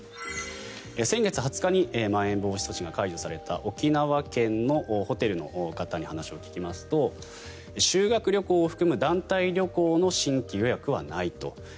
先月２０日にまん延防止措置が解除された沖縄県のホテルの方に話を聞きますと修学旅行を含む団体旅行の新規予約はないと。